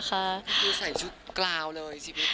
แค่คือใส่ชุดกลาวน์เลยสิ